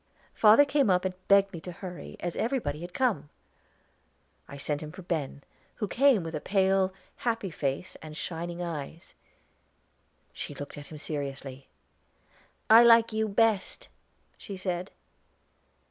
Father came up and begged me to hurry, as everybody had come. I sent him for Ben, who came with a pale, happy face and shining eyes. She looked at him seriously. "I like you best," she said.